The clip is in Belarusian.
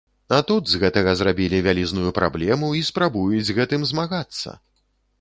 А тут з гэтага зрабілі вялізную праблему і спрабуюць з гэтым змагацца!